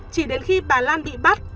chỉ đến khi bà lan bị bắt